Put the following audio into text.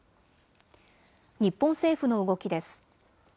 日本政府の動きです。